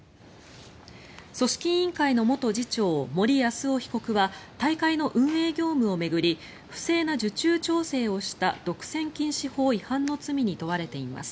組織委員会の元次長森泰夫被告は大会の運営業務を巡り不正な受注調整をした独占禁止法違反の罪に問われています。